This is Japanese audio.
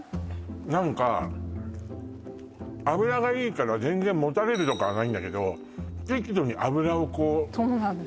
何か油がいいから全然もたれるとかはないんだけど適度に油をこうそうなんですよ